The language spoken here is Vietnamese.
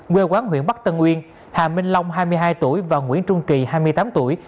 quê quán huyện bắc tân uyên hà minh long hai mươi hai tuổi và nguyễn trung kỳ hai mươi tám tuổi